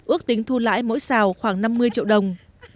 ước tính thu lãi mỗi xào khoảng năm mươi triệu đồng